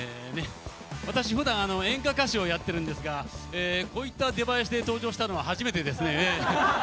私ふだん演歌歌手をやってるんですがこういった出囃子で登場したのは初めてですね。